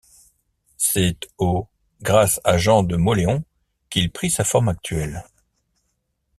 C'est au grâce à Jean de Mauléon qu'il prit sa forme actuelle.